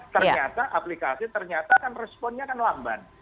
ternyata aplikasi responnya kan lamban